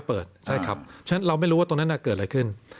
ใช่ครับฉะนั้นเราไม่รู้ว่าตรงนั้นเกิดอะไรขึ้น